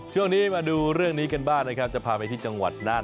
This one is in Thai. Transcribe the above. ช่วงนี้มาดูเรื่องนี้กันบ้างนะครับจะพาไปที่จังหวัดน่าน